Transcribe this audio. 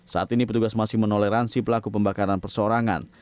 saat ini petugas masih menoleransi pelaku pembakaran persorangan